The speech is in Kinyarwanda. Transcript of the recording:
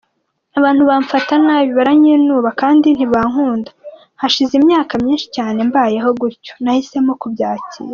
"Abantu bamfata nabi, baranyinuba kandi ntibankunda, hashize imyaka myinshi cyane, mbayeho gutyo, nahisemo kubyakira.